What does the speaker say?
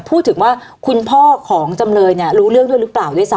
พูดถึงว่าคุณพ่อของจำเลยเนี่ยรู้เรื่องด้วยหรือเปล่าด้วยซ